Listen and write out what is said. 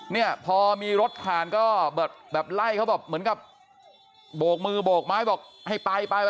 เนี่ยพอมีรถผ่านก็แบบไล่เขาแบบเหมือนกับโบกมือโบกไม้บอกให้ไปไป